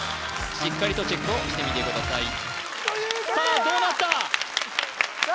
しっかりとチェックをしてみてくださいということは？